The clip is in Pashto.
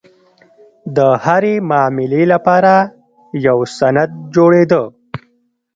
د هرې معاملې لپاره یو سند جوړېده.